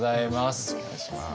よろしくお願いします。